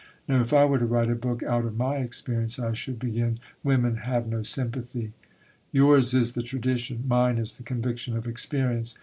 Now if I were to write a book out of my experience, I should begin Women have no sympathy. Yours is the tradition. Mine is the conviction of experience.